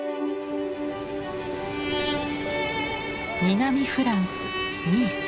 南フランス・ニース。